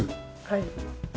はい。